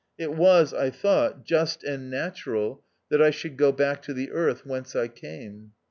It was, I thought, just and natural that I should go back to the Earth whence I came.